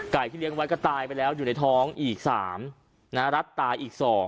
ที่เลี้ยงไว้ก็ตายไปแล้วอยู่ในท้องอีก๓รัดตายอีก๒